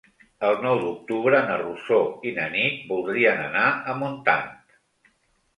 El nou d'octubre na Rosó i na Nit voldrien anar a Montant.